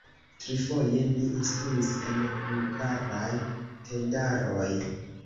Trifoje mi instruis en Bulgaraj tendaroj.